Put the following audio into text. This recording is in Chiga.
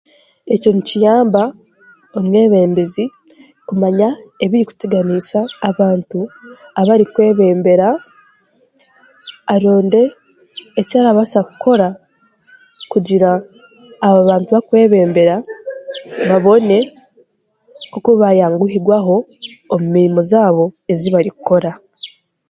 Ekyo nikiyamba omwebembezi kumanya ebirikuteganiisa abantu abarikwebembera, aronde eki arabaasa kukora kugira aba bantu baakwebembera babone nk'oku baayanguhigwaho omu mirimo zaabo ezi barikukora.